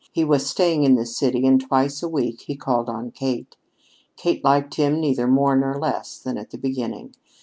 He was staying in the city, and twice a week he called on Kate. Kate liked him neither more nor less than at the beginning.